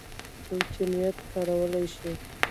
څوک چې نېټ کارولی شي